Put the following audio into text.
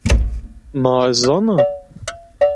Ma ez zana?